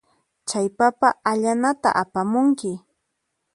Chay papa allanata apamunki.